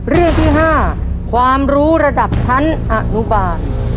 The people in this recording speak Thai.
เรื่องที่๕ความรู้ระดับชั้นอนุบาล